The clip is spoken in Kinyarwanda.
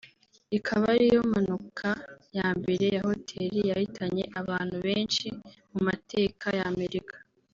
ikaba ariyo mpanuka ya mbere ya hoteli yahitanye abantu benshi mu mateka ya Amerika